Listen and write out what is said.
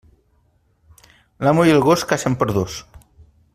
L'amo i el gos cacen per dos.